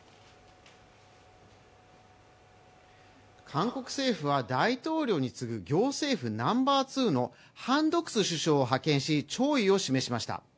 韓国政府は、大統領に次ぐ行政府ナンバー２のハン・ドクス首相を派遣し弔意を示しました。